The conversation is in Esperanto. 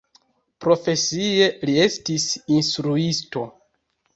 Profesie li estis instruisto.